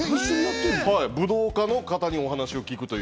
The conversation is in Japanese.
武道家の方にお話を聞くという。